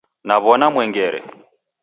Naw'ona mwengere